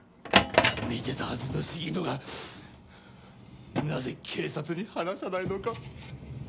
見てたはずの鴫野がなぜ警察に話さないのか不気味で。